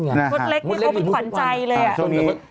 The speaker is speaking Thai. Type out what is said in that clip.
เขาเป็นขวัญใจเลย